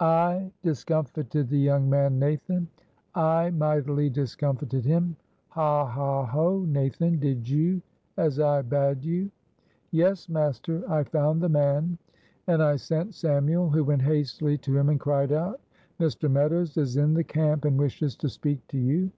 "I discomfited the young man, Nathan I mightily discomfited him. Ha! ha! ho! Nathan, did you as I bade you?" "Yes, master, I found the man, and I sent Samuel, who went hastily to him and cried out, 'Mr. Meadows is in the camp and wishes to speak to you.'